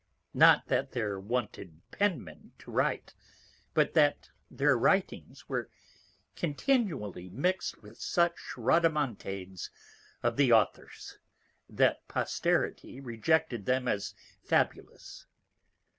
Not that there wanted Pen men to write, but that their Writings were continually mixt with such Rhodomontades of the Authors that Posterity rejected them as fabulous.